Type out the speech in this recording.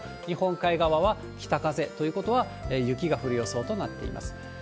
日本海側は北風ということは、雪が降る予想となっています。